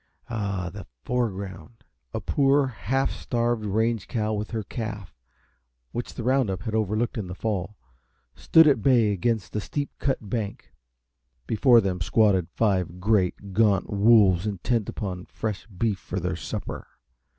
ah! that foreground. A poor, half starved range cow with her calf which the round up had overlooked in the fall, stood at bay against a steep cut bank. Before them squatted five great, gaunt wolves intent upon fresh beef for their supper.